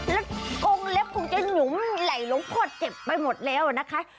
แล้วกงเล็บคงจะหยุมไหล่หลวงพ่อเจ็บไปหมดแล้วนะคะ